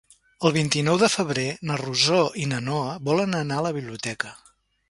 El vint-i-nou de febrer na Rosó i na Noa volen anar a la biblioteca.